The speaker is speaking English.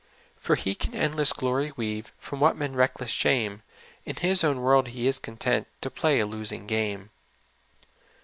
" For He can endless glory weave, PYom what men reckon shame ; In His own world He is content To play a losing game."